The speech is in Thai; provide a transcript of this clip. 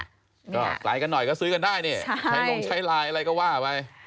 ก็ไลน์กันหน่อยก็ซื้อกันได้นี่ใช้ลงใช้ไลน์อะไรก็ว่าไป